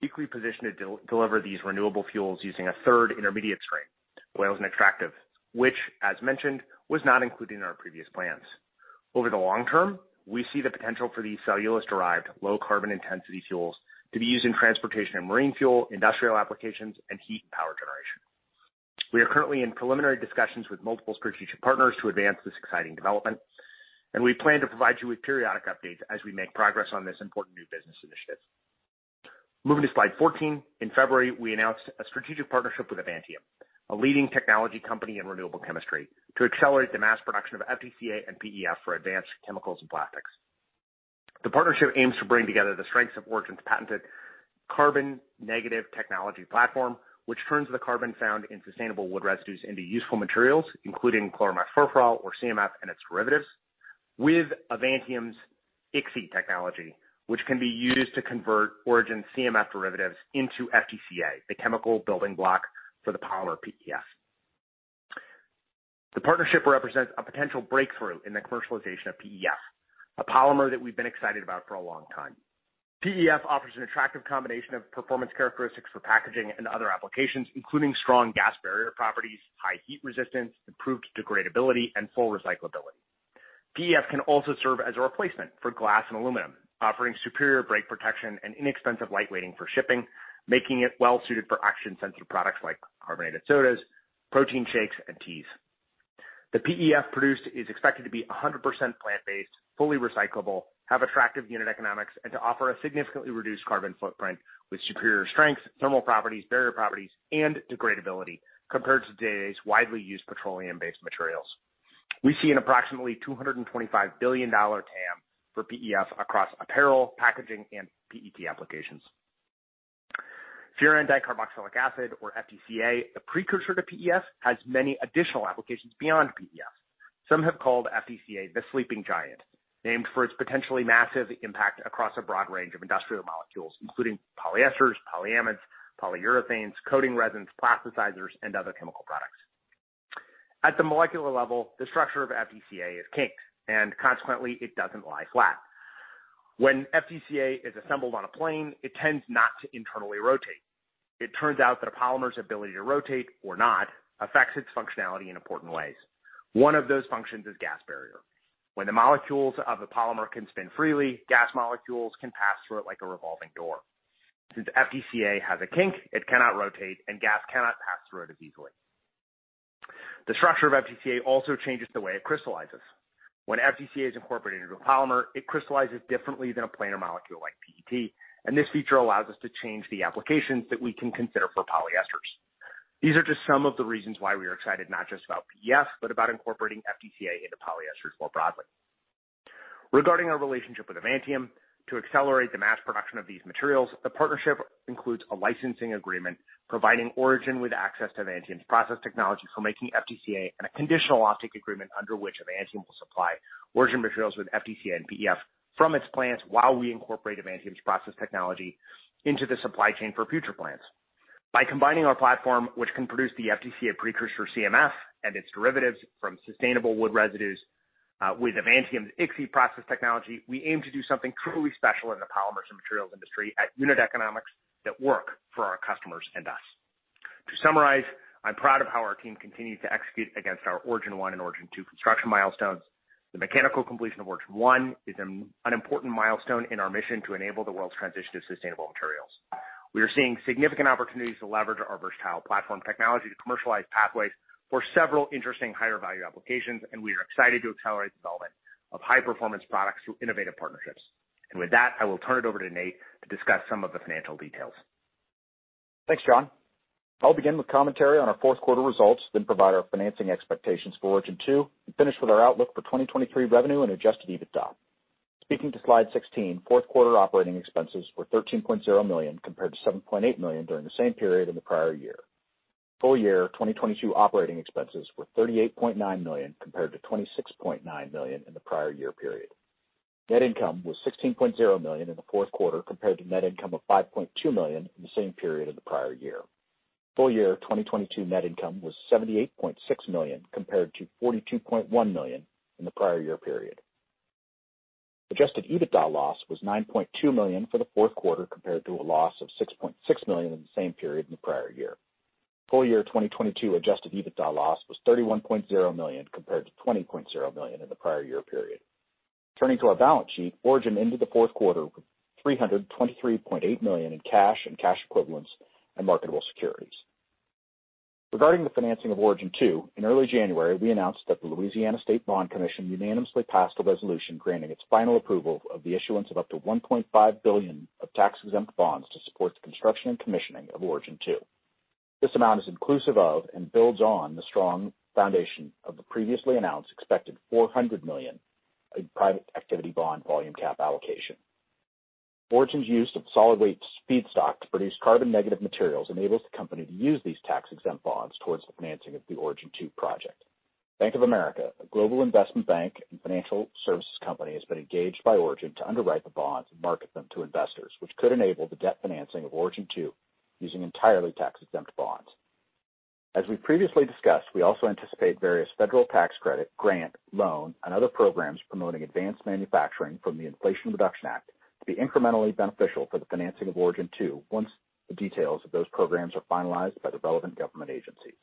Equally positioned to de-deliver these renewable fuels using a third intermediate stream, oils and extractive, which as mentioned, was not included in our previous plans. Over the long term, we see the potential for these cellulose-derived low carbon intensity fuels to be used in transportation and marine fuel, industrial applications, and heat and power generation. We are currently in preliminary discussions with multiple strategic partners to advance this exciting development, and we plan to provide you with periodic updates as we make progress on this important new business initiative. Moving to slide 14. In February, we announced a strategic partnership with Avantium, a leading technology company in renewable chemistry, to accelerate the mass production of FDCA and PEF for advanced chemicals and plastics. The partnership aims to bring together the strengths of Origin's patented carbon negative technology platform, which turns the carbon found in sustainable wood residues into useful materials, including chloromethylfurfural or CMF and its derivatives. With Avantium's YXY technology, which can be used to convert Origin CMF derivatives into FDCA, the chemical building block for the polymer PEF. The partnership represents a potential breakthrough in the commercialization of PEF, a polymer that we've been excited about for a long time. PEF offers an attractive combination of performance characteristics for packaging and other applications, including strong gas barrier properties, high heat resistance, improved degradability, and full recyclability. PEF can also serve as a replacement for glass and aluminum, offering superior break protection and inexpensive light weighting for shipping, making it well suited for action-sensitive products like carbonated sodas, protein shakes, and teas. The PEF produced is expected to be 100% plant-based, fully recyclable, have attractive unit economics, and to offer a significantly reduced carbon footprint with superior strength, thermal properties, barrier properties, and degradability compared to today's widely used petroleum-based materials. We see an approximately $225 billion TAM for PEF across apparel, packaging, and PET applications. Furandicarboxylic acid, or FDCA, a precursor to PEF, has many additional applications beyond PEF. Some have called FDCA the sleeping giant, named for its potentially massive impact across a broad range of industrial molecules, including polyesters, polyamides, polyurethanes, coating resins, plasticizers, and other chemical products. At the molecular level, the structure of FDCA is kinked, and consequently it doesn't lie flat. When FDCA is assembled on a plane, it tends not to internally rotate. It turns out that a polymer's ability to rotate or not affects its functionality in important ways. One of those functions is gas barrier. When the molecules of a polymer can spin freely, gas molecules can pass through it like a revolving door. Since FDCA has a kink, it cannot rotate and gas cannot pass through it as easily. The structure of FDCA also changes the way it crystallizes. When FDCA is incorporated into a polymer, it crystallizes differently than a planar molecule like PET, and this feature allows us to change the applications that we can consider for polyesters. These are just some of the reasons why we are excited, not just about PEF, but about incorporating FDCA into polyesters more broadly. Regarding our relationship with Avantium to accelerate the mass production of these materials, the partnership includes a licensing agreement providing Origin with access to Avantium's process technology for making FDCA and a conditional offtake agreement under which Avantium will supply Origin Materials with FDCA and PEF from its plants while we incorporate Avantium's process technology into the supply chain for future plants. By combining our platform, which can produce the FDCA precursor CMF and its derivatives from sustainable wood residues, with Avantium's YXY process technology, we aim to do something truly special in the polymers and materials industry at unit economics that work for our customers and us. To summarize, I'm proud of how our team continued to execute against our Origin 1 and Origin 2 construction milestones. The mechanical completion of Origin 1 is an important milestone in our mission to enable the world's transition to sustainable materials. We are seeing significant opportunities to leverage our versatile platform technology to commercialize pathways for several interesting higher value applications, and we are excited to accelerate development of high-performance products through innovative partnerships. With that, I will turn it over to Nate to discuss some of the financial details. Thanks, John. I'll begin with commentary on our fourth quarter results, then provide our financing expectations for Origin 2, finish with our outlook for 2023 revenue and adjusted EBITDA. Speaking to slide 16, fourth quarter operating expenses were $13.0 million compared to $7.8 million during the same period in the prior year. Full year 2022 operating expenses were $38.9 million compared to $26.9 million in the prior year period. Net income was $16.0 million in the fourth quarter compared to net income of $5.2 million in the same period in the prior year. Full year 2022 net income was $78.6 million compared to $42.1 million in the prior year period. Adjusted EBITDA loss was $9.2 million for the fourth quarter compared to a loss of $6.6 million in the same period in the prior year. Full year 2022 adjusted EBITDA loss was $31.0 million compared to $20.0 million in the prior year period. Turning to our balance sheet, Origin ended the fourth quarter with $323.8 million in cash and cash equivalents and marketable securities. Regarding the financing of Origin 2, in early January, we announced that the Louisiana State Bond Commission unanimously passed a resolution granting its final approval of the issuance of up to $1.5 billion of tax-exempt bonds to support the construction and commissioning of Origin 2. This amount is inclusive of and builds on the strong foundation of the previously announced expected $400 million in private activity bond volume cap allocation. Origin's use of solid waste feedstock to produce carbon negative materials enables the company to use these tax-exempt bonds towards the financing of the Origin 2 project. Bank of America, a global investment bank and financial services company, has been engaged by Origin to underwrite the bonds and market them to investors, which could enable the debt financing of Origin 2 using entirely tax-exempt bonds. As we previously discussed, we also anticipate various federal tax credit, grant, loan, and other programs promoting advanced manufacturing from the Inflation Reduction Act to be incrementally beneficial for the financing of Origin 2, once the details of those programs are finalized by the relevant government agencies.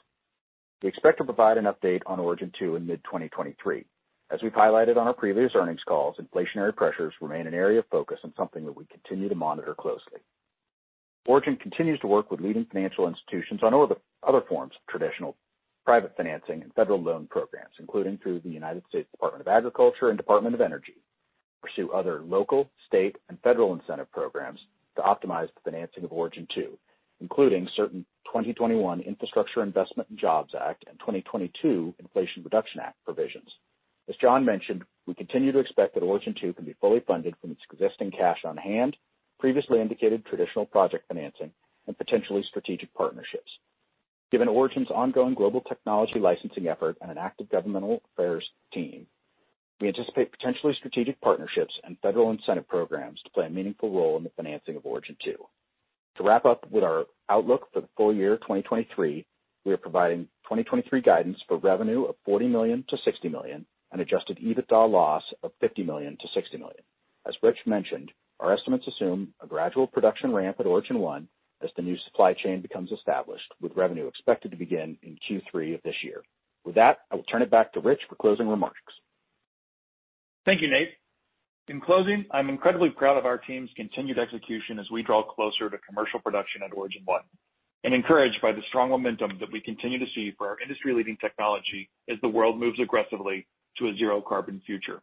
We expect to provide an update on Origin 2 in mid-2023. As we've highlighted on our previous earnings calls, inflationary pressures remain an area of focus and something that we continue to monitor closely. Origin continues to work with leading financial institutions on other forms of traditional private financing and federal loan programs, including through the United States Department of Agriculture and Department of Energy, pursue other local, state, and federal incentive programs to optimize the financing of Origin 2, including certain 2021 Infrastructure Investment and Jobs Act and 2022 Inflation Reduction Act provisions. As John mentioned, we continue to expect that Origin 2 can be fully funded from its existing cash on hand, previously indicated traditional project financing and potentially strategic partnerships. Given Origin's ongoing global technology licensing effort and an active governmental affairs team, we anticipate potentially strategic partnerships and federal incentive programs to play a meaningful role in the financing of Origin 2. To wrap up with our outlook for the full year 2023, we are providing 2023 guidance for revenue of $40 million-$60 million and adjusted EBITDA loss of $50 million-$60 million. As Rich mentioned, our estimates assume a gradual production ramp at Origin 1 as the new supply chain becomes established, with revenue expected to begin in Q3 of this year. With that, I will turn it back to Rich for closing remarks. Thank you, Nate. In closing, I'm incredibly proud of our team's continued execution as we draw closer to commercial production at Origin 1, encouraged by the strong momentum that we continue to see for our industry-leading technology as the world moves aggressively to a zero carbon future.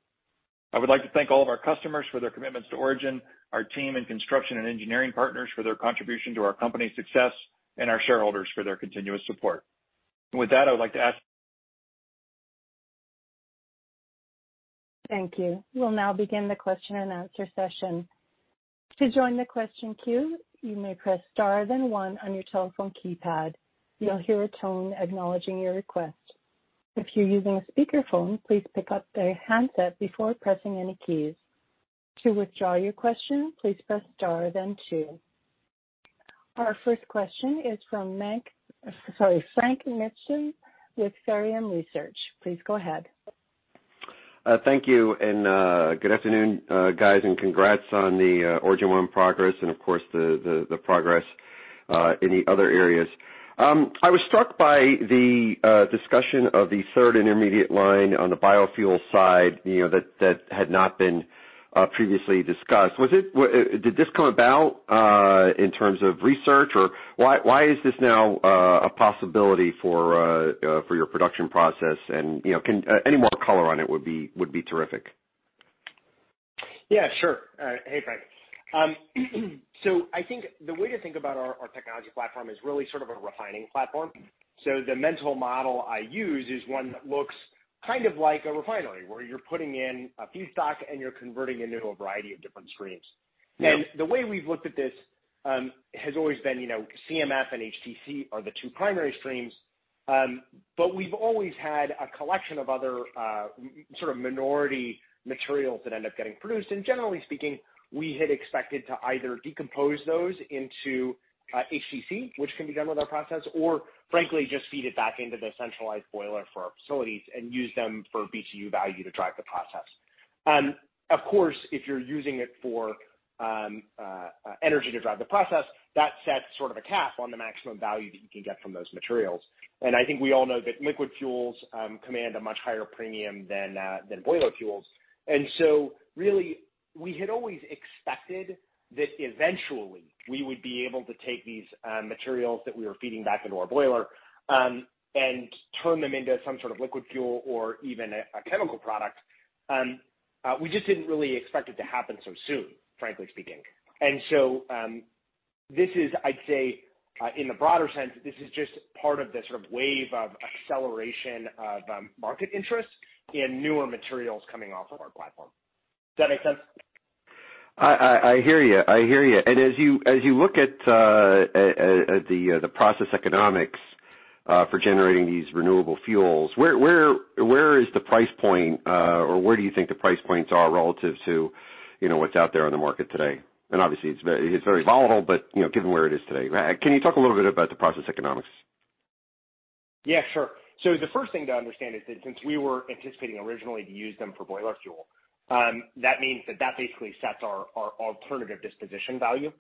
I would like to thank all of our customers for their commitments to Origin, our team and construction and engineering partners for their contribution to our company's success and our shareholders for their continuous support. With that, I would like to ask- Thank you. We'll now begin the question-and-answer session. To join the question queue, you may press star then one on your telephone keypad. You'll hear a tone acknowledging your request. If you're using a speakerphone, please pick up the handset before pressing any keys. To withdraw your question, please press star then two. Our first question is from sorry, Frank Mitsch with Fermium Research. Please go ahead. Thank you, and good afternoon, guys, and congrats on the Origin 1 progress and of course the progress in the other areas. I was struck by the discussion of the third intermediate line on the biofuel side, you know, that had not been previously discussed. Did this come about in terms of research, or why is this now a possibility for your production process and, you know, any more color on it would be terrific. Yeah, sure. Hey, Frank. I think the way to think about our technology platform is really sort of a refining platform. The mental model I use is one that looks kind of like a refinery, where you're putting in a feedstock and you're converting into a variety of different streams. The way we've looked at this, has always been, you know, CMF and HTC are the two primary streams. We've always had a collection of other, sort of minority materials that end up getting produced. Generally speaking, we had expected to either decompose those into, HTC, which can be done with our process, or frankly just feed it back into the centralized boiler for our facilities and use them for BTU value to drive the process. Of course, if you're using it for energy to drive the process, that sets sort of a cap on the maximum value that you can get from those materials. I think we all know that liquid fuels command a much higher premium than boiler fuels. Really, we had always expected that eventually we would be able to take these materials that we were feeding back into our boiler and turn them into some sort of liquid fuel or even a chemical product. We just didn't really expect it to happen so soon, frankly speaking. This is, I'd say, in the broader sense, this is just part of the sort of wave of acceleration of market interest in newer materials coming off of our platform. Does that make sense? I hear you. I hear you. As you look at the process economics for generating these renewable fuels, where is the price point, or where do you think the price points are relative to, you know, what's out there on the market today? Obviously, it's very volatile, but, you know, given where it is today. Can you talk a little bit about the process economics? Yeah, sure. The first thing to understand is that since we were anticipating originally to use them for boiler fuel, that means that basically sets our alternative disposition value,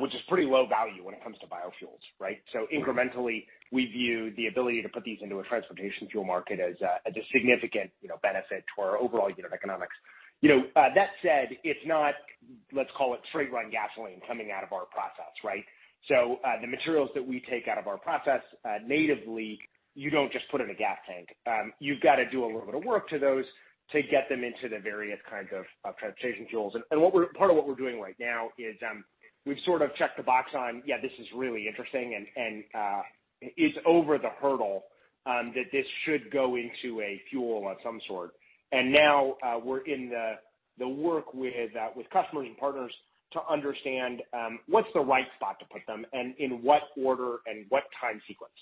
which is pretty low value when it comes to biofuels, right? Incrementally, we view the ability to put these into a transportation fuel market as a significant, you know, benefit to our overall unit economics. That said, it's not, let's call it straight-run gasoline coming out of our process, right? The materials that we take out of our process, natively, you don't just put in a gas tank. You've got to do a little bit of work to those to get them into the various kinds of transportation fuels. What part of what we're doing right now is, we've sort of checked the box on, yeah, this is really interesting and, is over the hurdle, that this should go into a fuel of some sort. Now, we're in the work with customers and partners to understand, what's the right spot to put them and in what order and what time sequence.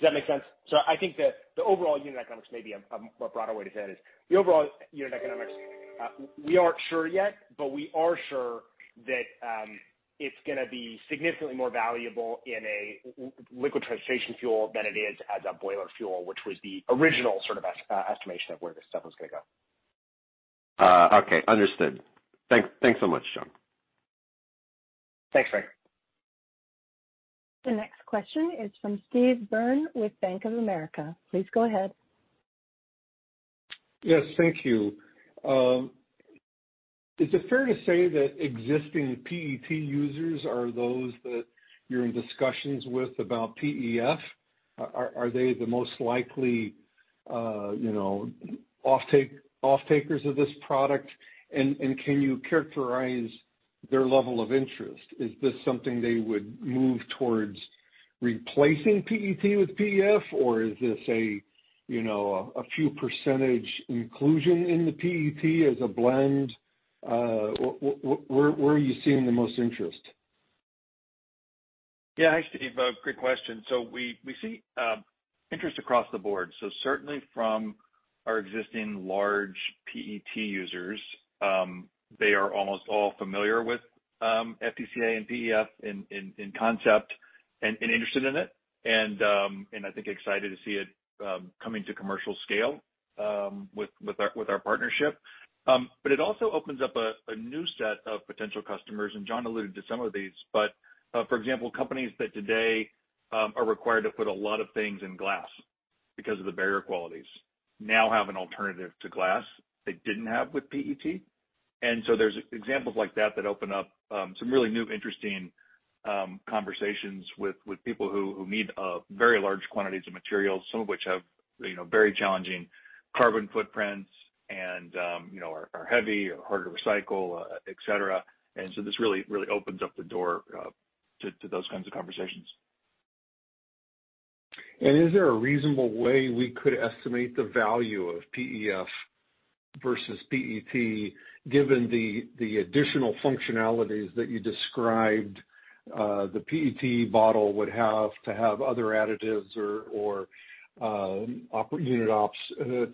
Does that make sense? I think that the overall unit economics may be a broader way to say that is the overall unit economics, we aren't sure yet, but we are sure that, it's gonna be significantly more valuable in a liquid transportation fuel than it is as a boiler fuel, which was the original sort of estimation of where this stuff was gonna go. Okay. Understood. Thanks so much, John. Thanks, Frank. The next question is from Steve Byrne with Bank of America. Please go ahead. Yes, thank you. Is it fair to say that existing PET users are those that you're in discussions with about PEF? Are they the most likely, you know, offtakers of this product? Can you characterize their level of interest? Is this something they would move towards replacing PET with PEF? Or is this a, you know, a few percentage inclusion in the PET as a blend? Where are you seeing the most interest? Yeah. Hi, Steve. great question. We see interest across the board, so certainly from our existing large PET users. They are almost all familiar with FDCA and PEF in concept and interested in it. I think excited to see it coming to commercial scale with our partnership. It also opens up a new set of potential customers, and John alluded to some of these. For example, companies that today are required to put a lot of things in glass because of the barrier qualities now have an alternative to glass they didn't have with PET. There's examples like that that open up some really new interesting conversations with people who need very large quantities of materials, some of which have, you know, very challenging carbon footprints and, you know, are heavy or hard to recycle, et cetera. This really opens up the door to those kinds of conversations. Is there a reasonable way we could estimate the value of PEF versus PET, given the additional functionalities that you described, the PET bottle would have to have other additives or unit ops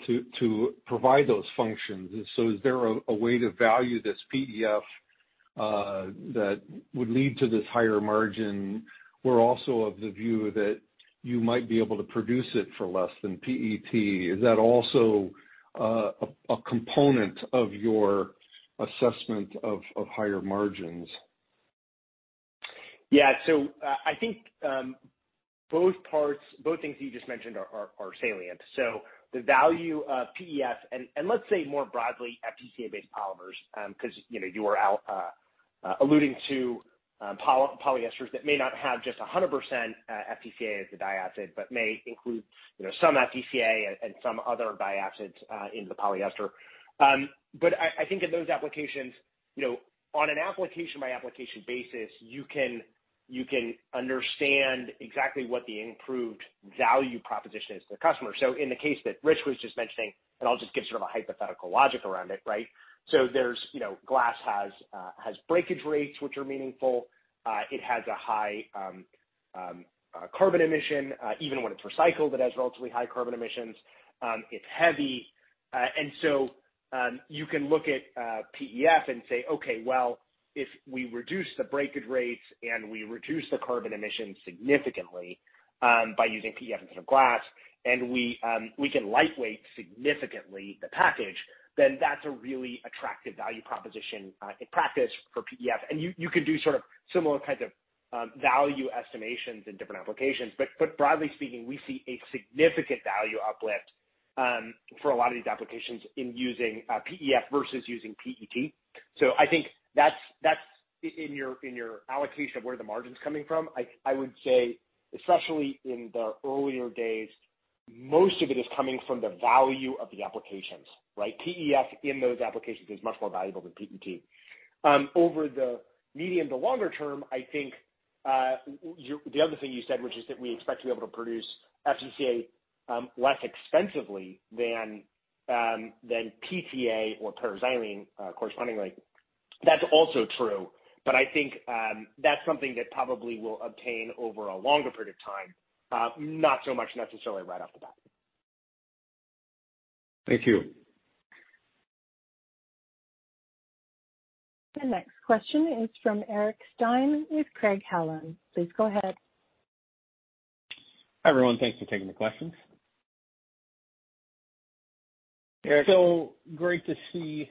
to provide those functions? Is there a way to value this PEF that would lead to this higher margin? We're also of the view that you might be able to produce it for less than PET. Is that also a component of your assessment of higher margins? Yeah. I think both parts, both things you just mentioned are salient. The value of PEF and let's say more broadly, FDCA-based polymers, 'cause, you know, you are alluding to polyesters that may not have just 100%, FDCA as a diacid, but may include, you know, some FDCA and some other diacids in the polyester. But I think in those applications, you know, on an application by application basis, you can understand exactly what the improved value proposition is to the customer. In the case that Rich was just mentioning, and I'll just give sort of a hypothetical logic around it, right? There's, you know, glass has breakage rates, which are meaningful. It has a high carbon emission. Even when it's recycled, it has relatively high carbon emissions. It's heavy. So, you can look at PEF and say, okay, well, if we reduce the breakage rates and we reduce the carbon emissions significantly by using PEF instead of glass, and we can lightweight significantly the package, then that's a really attractive value proposition in practice for PEF. You can do sort of similar kinds of value estimations in different applications. Broadly speaking, we see a significant value uplift for a lot of these applications in using PEF versus using PET. I think that's in your, in your allocation of where the margin's coming from, I would say, especially in the earlier days, most of it is coming from the value of the applications, right? PEF in those applications is much more valuable than PET. Over the medium to longer term, I think, the other thing you said, which is that we expect to be able to produce FDCA less expensively than PTA or paraxylene correspondingly. That's also true, but I think, that's something that probably will obtain over a longer period of time. Not so much necessarily right off the bat. Thank you. The next question is from Eric Stine with Craig-Hallum. Please go ahead. Hi, everyone. Thanks for taking the questions. Eric- Hey, great to see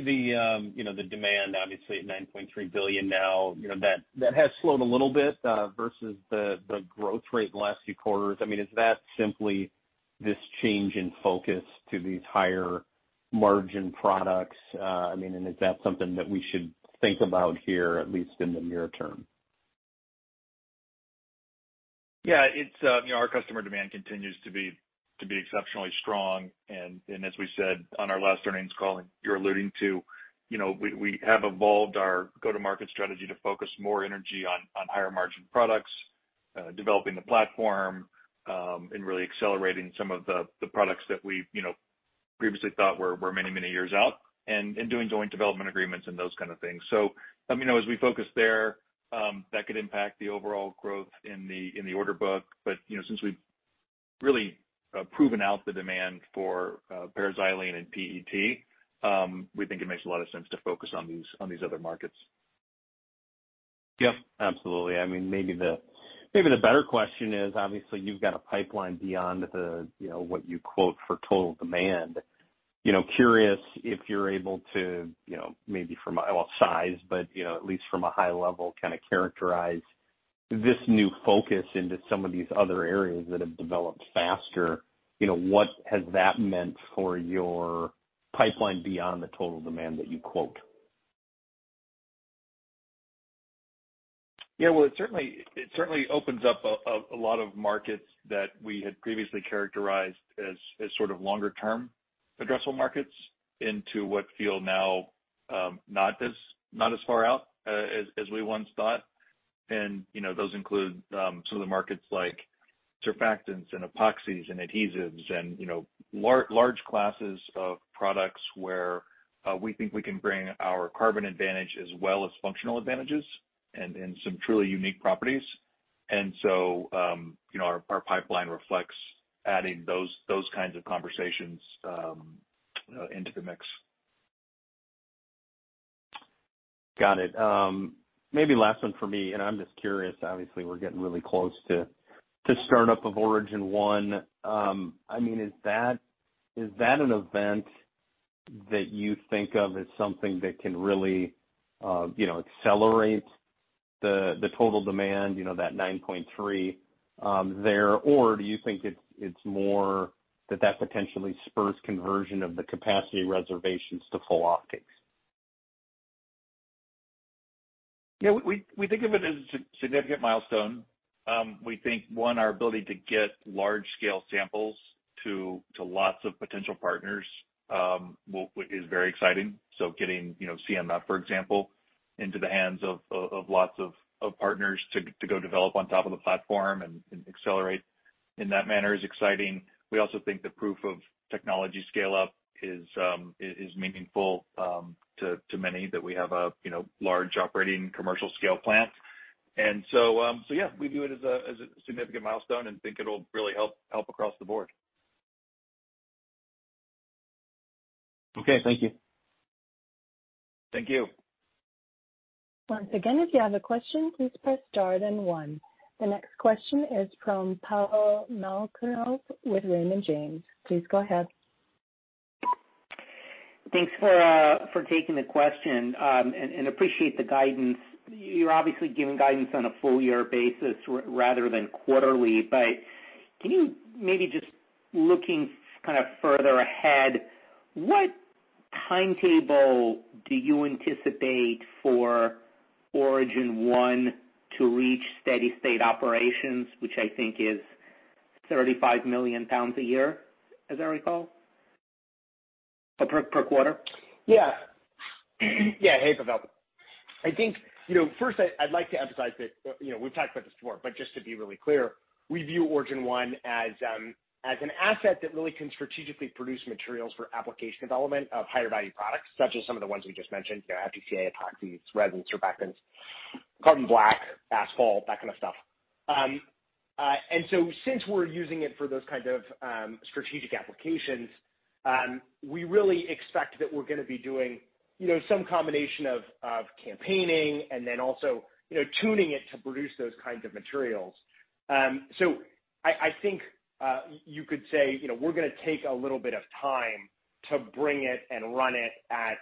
the, you know, the demand obviously at $9.3 billion now. You know, that has slowed a little bit versus the growth rate in the last few quarters. I mean, is that simply this change in focus to these higher margin products? I mean, is that something that we should think about here, at least in the near term? Yeah. It's, you know, our customer demand continues to be exceptionally strong. As we said on our last earnings call, and you're alluding to, you know, we have evolved our go-to-market strategy to focus more energy on higher margin products, developing the platform, in really accelerating some of the products that we, you know, previously thought were many, many years out and in doing joint development agreements and those kind of things. Let me know as we focus there, that could impact the overall growth in the order book. You know, since we've really proven out the demand for paraxylene and PET, we think it makes a lot of sense to focus on these other markets. Yep, absolutely. I mean, maybe the better question is, obviously you've got a pipeline beyond the, you know, what you quote for total demand. You know, curious if you're able to, you know, maybe from a well, size, but you know, at least from a high level kind of characterize this new focus into some of these other areas that have developed faster. You know, what has that meant for your pipeline beyond the total demand that you quote? Yeah. Well, it certainly opens up a lot of markets that we had previously characterized as sort of longer term addressable markets into what feel now, not as far out, as we once thought. You know, those include some of the markets like surfactants and epoxies and adhesives and, you know, large classes of products where we think we can bring our carbon advantage as well as functional advantages and some truly unique properties. You know, our pipeline reflects adding those kinds of conversations into the mix. Got it. Maybe last one for me, and I'm just curious. Obviously, we're getting really close to start up of Origin 1. I mean, is that an event that you think of as something that can really, you know, accelerate the total demand, you know, that 9.3 there, or do you think it's more that potentially spurs conversion of the capacity reservations to full offtakes? Yeah, we think of it as a significant milestone. We think, one, our ability to get large scale samples to lots of potential partners, which is very exciting. Getting, you know, CMF, for example, into the hands of lots of partners to go develop on top of the platform and accelerate in that manner is exciting. We also think the proof of technology scale up is meaningful to many that we have a, you know, large operating commercial scale plant. Yeah, we view it as a significant milestone and think it'll really help across the board. Okay, thank you. Thank you. Once again, if you have a question, please press star then 1. The next question is from Pavel Molchanov with Raymond James. Please go ahead. Thanks for for taking the question, and appreciate the guidance. You're obviously giving guidance on a full year basis rather than quarterly, but can you maybe just looking kind of further ahead, what timetable do you anticipate for Origin One to reach steady state operations, which I think is 35 million pounds a year, as I recall, per quarter? Yeah. Yeah. Hey, Pavel. I think, you know, first I'd like to emphasize that, you know, we've talked about this before, but just to be really clear, we view Origin One as an asset that really can strategically produce materials for application development of higher value products, such as some of the ones we just mentioned. You know, FDCA, epoxies, resins, surfactants, carbon black, asphalt, that kind of stuff. Since we're using it for those kind of strategic applications, we really expect that we're gonna be doing, you know, some combination of campaigning and then also, you know, tuning it to produce those kinds of materials. I think you could say, you know, we're gonna take a little bit of time to bring it and run it at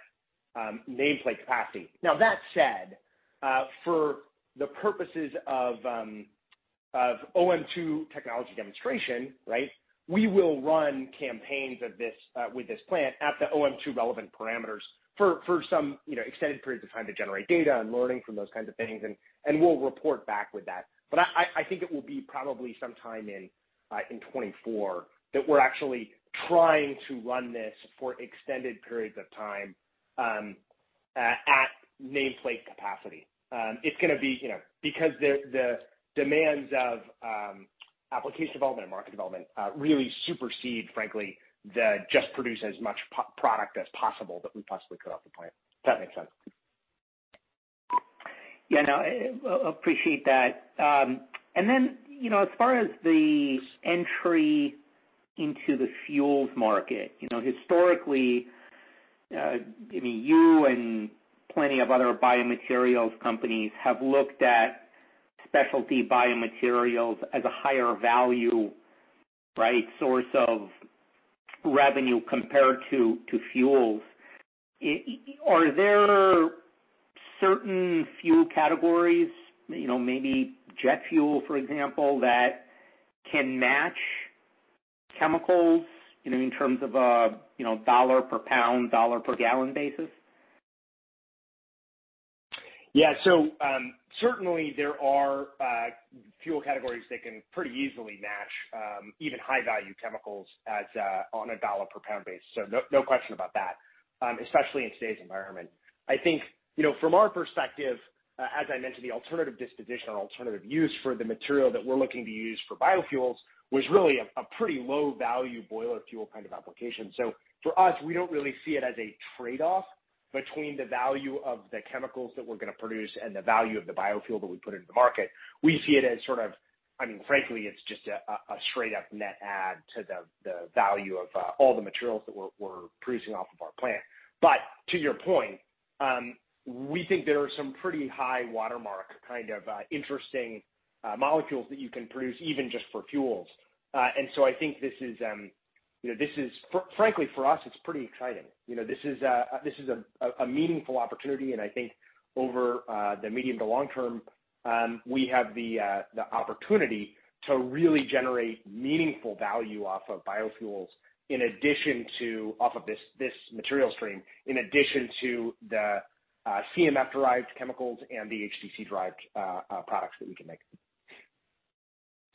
nameplate capacity. Now, that said, for the purposes of OM2 technology demonstration, right. We will run campaigns of this with this plant at the OM2 relevant parameters for some, you know, extended periods of time to generate data and learning from those kinds of things. We'll report back with that. I think it will be probably sometime in 2024 that we're actually trying to run this for extended periods of time at nameplate capacity. It's gonna be, you know, because the demands of application development and market development really supersede, frankly, the just produce as much product as possible that we possibly could off the plant, if that makes sense. Yeah, no, appreciate that. You know, as far as the entry into the fuels market, you know, historically, I mean, you and plenty of other biomaterials companies have looked at specialty biomaterials as a higher value, right, source of revenue compared to fuels. Are there certain fuel categories, you know, maybe jet fuel, for example, that can match chemicals, you know, in terms of a, you know, dollar per pound, dollar per gallon basis? Yeah. Certainly there are fuel categories that can pretty easily match even high value chemicals as on a dollar per pound base. No question about that, especially in today's environment. I think, you know, from our perspective, as I mentioned, the alternative disposition or alternative use for the material that we're looking to use for biofuels was really a pretty low value boiler fuel kind of application. For us, we don't really see it as a trade off between the value of the chemicals that we're gonna produce and the value of the biofuel that we put into the market. We see it as I mean, frankly, it's just a straight up net add to the value of all the materials that we're producing off of our plant. To your point, we think there are some pretty high watermark kind of interesting molecules that you can produce even just for fuels. I think this is, you know, this is frankly, for us, it's pretty exciting. You know, this is a meaningful opportunity and I think over the medium to long term, we have the opportunity to really generate meaningful value off of biofuels in addition to off of this material stream, in addition to the CMF derived chemicals and the HTC derived products that we can make.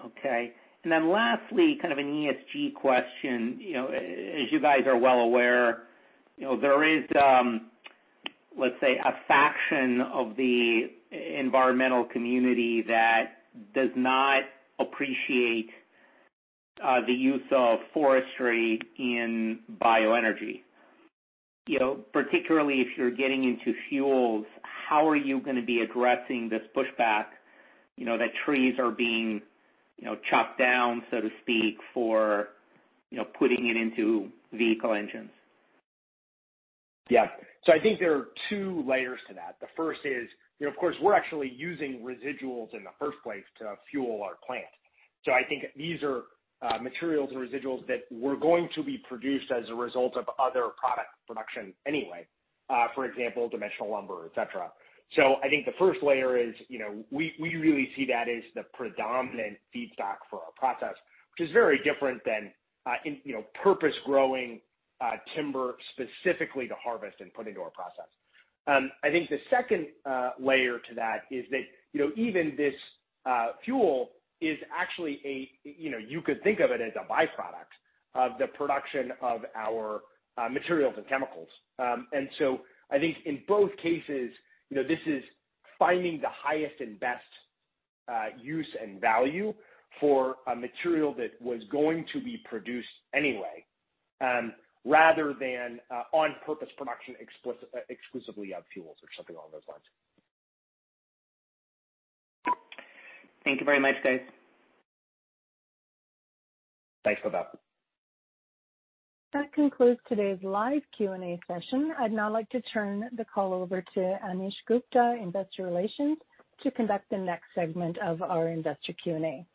Okay. Lastly, kind of an ESG question. You know, as you guys are well aware, you know, there is, let's say a faction of the environmental community that does not appreciate the use of forestry in bioenergy. You know, particularly if you're getting into fuels, how are you gonna be addressing this pushback, you know, that trees are being, you know, chopped down, so to speak, for, you know, putting it into vehicle engines? I think there are two layers to that. The first is, you know, of course, we're actually using residuals in the first place to fuel our plant. I think these are materials and residuals that were going to be produced as a result of other product production anyway, for example, dimensional lumber, et cetera. I think the first layer is, you know, we really see that as the predominant feedstock for our process, which is very different than in, you know, purpose growing timber specifically to harvest and put into our process. I think the second layer to that is that, you know, even this fuel is actually, you know, you could think of it as a byproduct of the production of our materials and chemicals. I think in both cases, you know, this is finding the highest and best use and value for a material that was going to be produced anyway, rather than on-purpose production exclusively of fuels or something along those lines. Thank you very much, John. Thanks for that. That concludes today's live Q&A session. I'd now like to turn the call over to Ashish Gupta, Investor Relations, to conduct the next segment of our investor Q&A.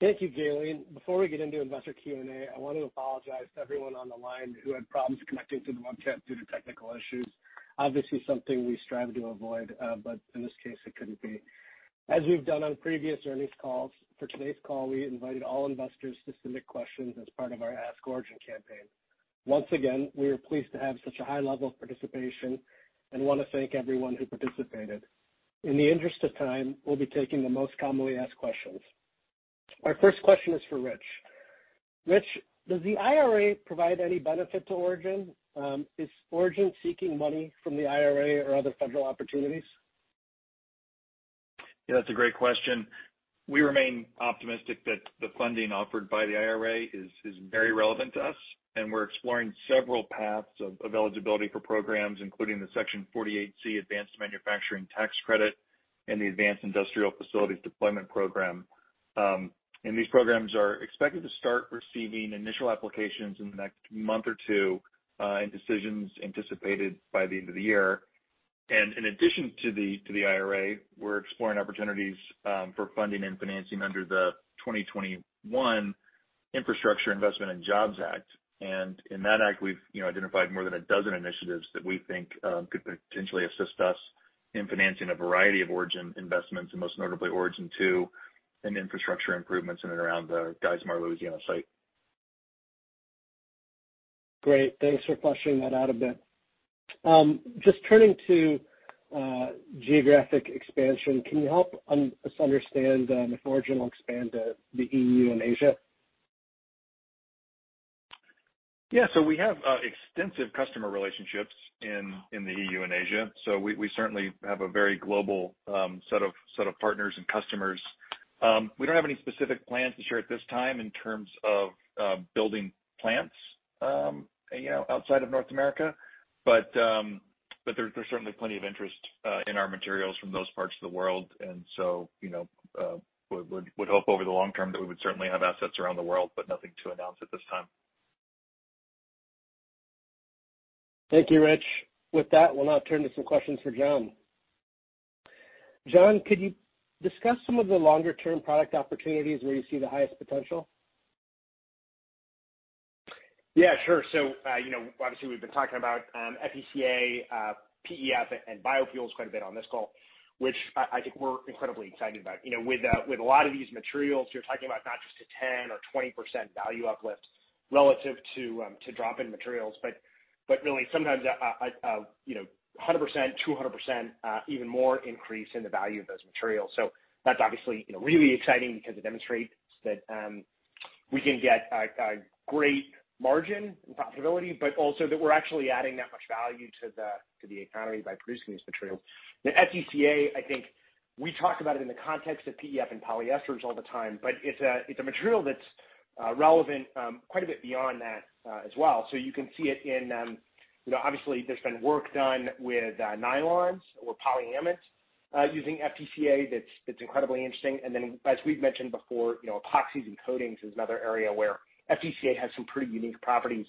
Thank you, Gaily. Before we get into investor Q&A, I want to apologize to everyone on the line who had problems connecting to the webcast due to technical issues. Obviously something we strive to avoid, but in this case it couldn't be. As we've done on previous earnings calls, for today's call, we invited all investors to submit questions as part of our Ask Origin campaign. Once again, we are pleased to have such a high level of participation and want to thank everyone who participated. In the interest of time, we'll be taking the most commonly asked questions. Our first question is for Rich. Rich, does the IRA provide any benefit to Origin? Is Origin seeking money from the IRA or other federal opportunities? Yeah, that's a great question. We remain optimistic that the funding offered by the IRA is very relevant to us, and we're exploring several paths of eligibility for programs, including the Section 48C Advanced Manufacturing Tax Credit and the Advanced Industrial Facilities Deployment Program. These programs are expected to start receiving initial applications in the next month or 2, and decisions anticipated by the end of the year. In addition to the IRA, we're exploring opportunities for funding and financing under the 2021 Infrastructure Investment and Jobs Act. In that act, we've, you know, identified more than a dozen initiatives that we think could potentially assist us in financing a variety of Origin investments, and most notably Origin 2 and infrastructure improvements in and around the Geismar, Louisiana site. Great. Thanks for fleshing that out a bit. Just turning to geographic expansion, can you help us understand if Origin will expand to the EU and Asia? Yeah. We have extensive customer relationships in the EU and Asia. We certainly have a very global set of partners and customers. We don't have any specific plans to share at this time in terms of building plants, you know, outside of North America. There's certainly plenty of interest in our materials from those parts of the world. You know, would hope over the long term that we would certainly have assets around the world, but nothing to announce at this time. Thank you, Rich. With that, we'll now turn to some questions for John. John, could you discuss some of the longer term product opportunities where you see the highest potential? Yeah, sure. You know, obviously we've been talking about FDCA, PEF and biofuels quite a bit on this call, which I think we're incredibly excited about. You know, with a lot of these materials, you're talking about not just a 10% or 20% value uplift relative to drop-in materials, but really sometimes, you know, 100%, 200% even more increase in the value of those materials. That's obviously, you know, really exciting because it demonstrates that we can get a great margin and profitability, but also that we're actually adding that much value to the economy by producing this material. The FDCA, I think we talk about it in the context of PEF and polyesters all the time, but it's a material that's relevant quite a bit beyond that as well. You can see it in, you know, obviously there's been work done with nylons or polyamides using FDCA that's incredibly interesting. As we've mentioned before, you know, epoxies and coatings is another area where FDCA has some pretty unique properties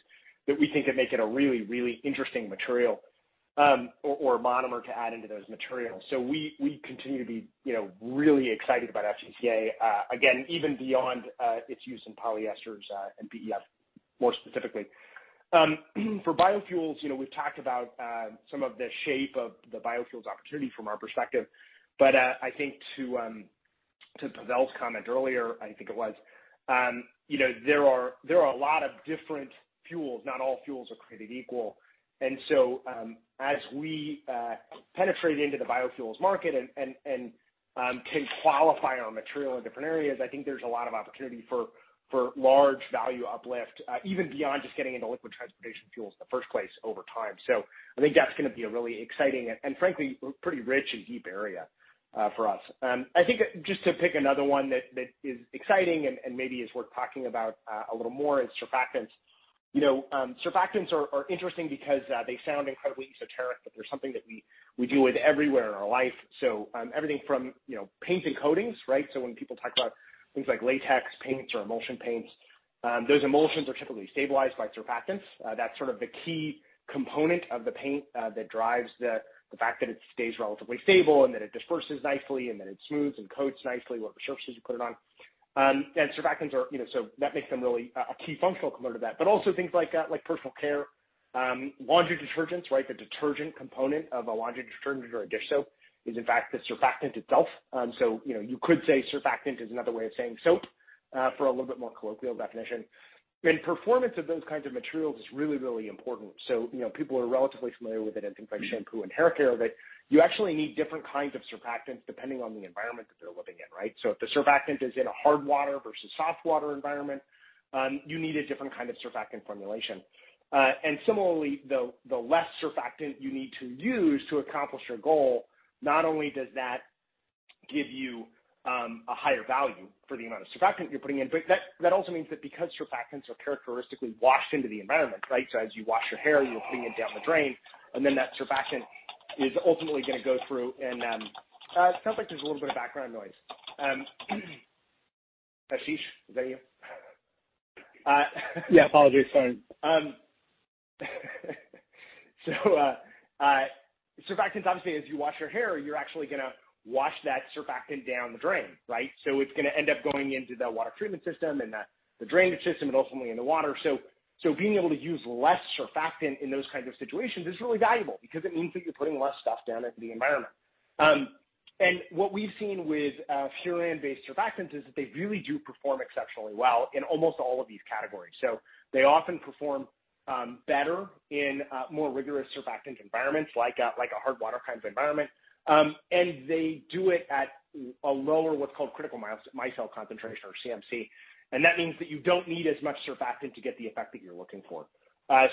that we think could make it a really, really interesting material or monomer to add into those materials. We continue to be, you know, really excited about FDCA again, even beyond its use in polyesters and PEF, more specifically. For biofuels, you know, we've talked about some of the shape of the biofuels opportunity from our perspective. I think to Pavel's comment earlier, I think it was, you know, there are a lot of different fuels. Not all fuels are created equal. As we penetrate into the biofuels market and can qualify our material in different areas, I think there's a lot of opportunity for large value uplift even beyond just getting into liquid transportation fuels in the first place over time. I think that's gonna be a really exciting and frankly, a pretty rich and deep area for us. I think just to pick another one that is exciting and maybe is worth talking about a little more is surfactants. You know, surfactants are interesting because they sound incredibly esoteric, but they're something that we deal with everywhere in our life. Everything from, you know, paint and coatings, right? When people talk about things like latex paints or emulsion paints, those emulsions are typically stabilized by surfactants. That's sort of the key component of the paint that drives the fact that it stays relatively stable and that it disperses nicely and that it smooths and coats nicely whatever surfaces you put it on. Surfactants are, you know, that makes them really a key functional component of that. Also things like personal care. Laundry detergents, right? The detergent component of a laundry detergent or a dish soap is in fact the surfactant itself. You know, you could say surfactant is another way of saying soap, for a little bit more colloquial definition. Performance of those kinds of materials is really, really important. You know, people are relatively familiar with it in things like shampoo and hair care, but you actually need different kinds of surfactants depending on the environment that they're living in, right? If the surfactant is in a hard water versus soft water environment, you need a different kind of surfactant formulation. Similarly, the less surfactant you need to use to accomplish your goal, not only does that give you a higher value for the amount of surfactant you're putting in, but that also means that because surfactants are characteristically washed into the environment, right? As you wash your hair, you're putting it down the drain, and then that surfactant is ultimately gonna go through and, it sounds like there's a little bit of background noise. Ashish, is that you? Yeah, apologies. Sorry. Surfactants, obviously, as you wash your hair, you're actually gonna wash that surfactant down the drain, right? It's gonna end up going into the water treatment system and the drainage system and ultimately in the water. Being able to use less surfactant in those kinds of situations is really valuable because it means that you're putting less stuff down into the environment. What we've seen with furan-based surfactants is that they really do perform exceptionally well in almost all of these categories. They often perform better in more rigorous surfactant environments like a hard water kinds environment. They do it at a lower, what's called critical micelle concentration or CMC. That means that you don't need as much surfactant to get the effect that you're looking for.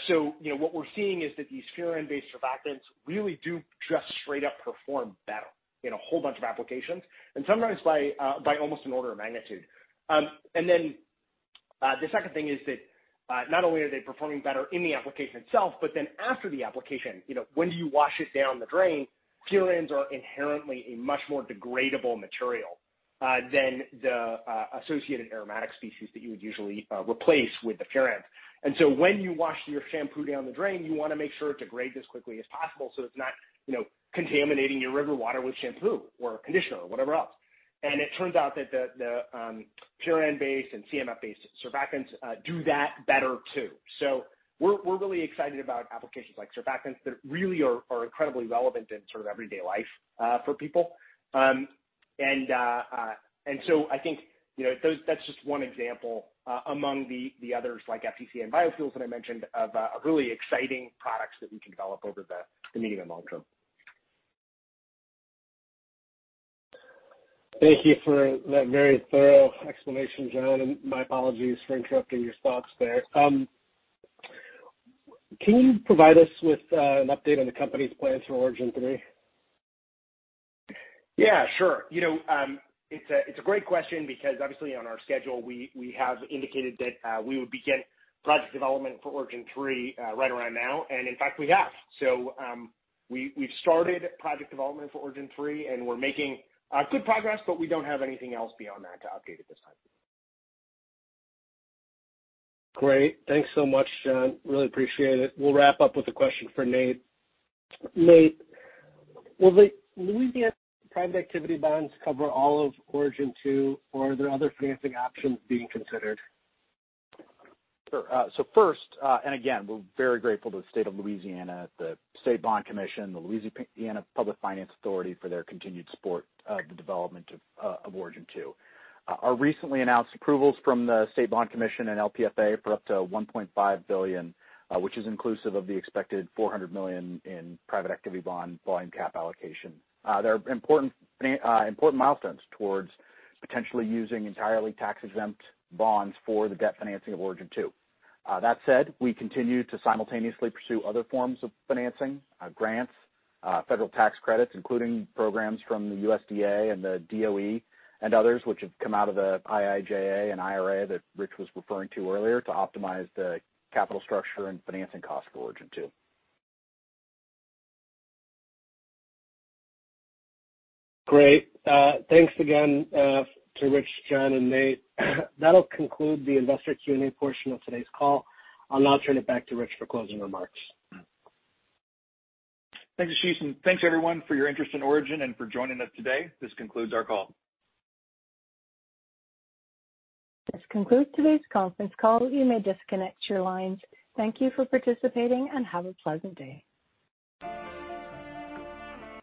So, you know, what we're seeing is that these furan-based surfactants really do just straight up perform better in a whole bunch of applications, and sometimes by almost an order of magnitude. The second thing is that not only are they performing better in the application itself, but then after the application, you know, when you wash it down the drain, furans are inherently a much more degradable material than the associated aromatic species that you would usually replace with the furans. When you wash your shampoo down the drain, you wanna make sure it degrades as quickly as possible, so it's not, you know, contaminating your river water with shampoo or conditioner or whatever else. It turns out that the furan-based and CMF-based surfactants do that better too. We're really excited about applications like surfactants that really are incredibly relevant in sort of everyday life for people. I think, you know, that's just one example among the others like FDCA and biofuels that I mentioned of really exciting products that we can develop over the medium and long term. Thank you for that very thorough explanation, John. My apologies for interrupting your thoughts there. Can you provide us with an update on the company's plans for Origin 3? Yeah, sure. You know, it's a great question because obviously on our schedule, we have indicated that we would begin project development for Origin 3 right around now, and in fact, we have. We've started project development for Origin 3, and we're making good progress, but we don't have anything else beyond that to update at this time. Great. Thanks so much, John. Really appreciate it. We'll wrap up with a question for Nate. Nate, will the Louisiana private activity bonds cover all of Origin 2, or are there other financing options being considered? Sure. First, and again, we're very grateful to the State of Louisiana, the State Bond Commission, the Louisiana Public Facilities Authority for their continued support of the development of Origin 2. Our recently announced approvals from the State Bond Commission and LPFA for up to $1.5 billion, which is inclusive of the expected $400 million in private activity bond volume cap allocation, they are important milestones towards potentially using entirely tax-exempt bonds for the debt financing of Origin 2. That said, we continue to simultaneously pursue other forms of financing, grants, federal tax credits, including programs from the USDA and the DOE and others, which have come out of the IIJA and IRA that Rich was referring to earlier to optimize the capital structure and financing cost for Origin 2. Great. Thanks again, to Rich, John, and Nate. That'll conclude the investor Q&A portion of today's call. I'll now turn it back to Rich for closing remarks. Thank you, Ashish, and thanks everyone for your interest in Origin and for joining us today. This concludes our call. This concludes today's conference call. You may disconnect your lines. Thank you for participating and have a pleasant day.